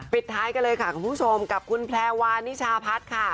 ท้ายกันเลยค่ะคุณผู้ชมกับคุณแพรวานิชาพัฒน์ค่ะ